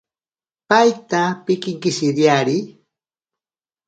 Paita pinkinkishiriari.